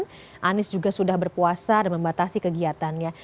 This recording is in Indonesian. dan juga anies sudah berpuasa dan membatasi kegiatannya